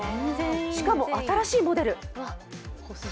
しかも、新しいモデル！